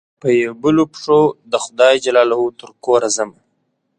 په يبلو پښو دخدای ج ترکوره ځمه